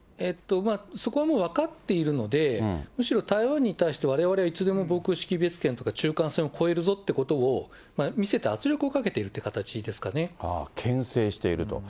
そこはもう分かっているので、むしろ台湾に対して、われわれはいつでも防空識別圏とか、中間線を越えるぞってことを見せて圧力をかけているという感じでけん制していると。